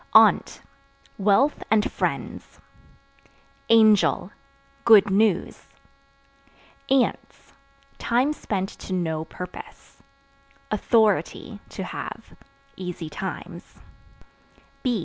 Aunt Wealth and friends. Angel Good news. Ants Time spent to no purpose. Authority (To have) easy times.